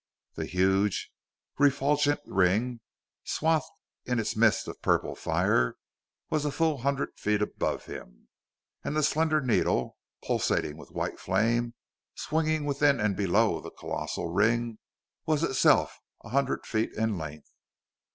The huge, refulgent ring, swathed in its mist of purple fire, was a full hundred feet above him; and the slender needle, pulsing with white flame, swinging within and below the colossal ring, was itself a hundred feet in length.